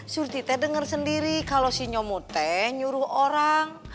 sur tite denger sendiri kalau si nyomute nyuruh orang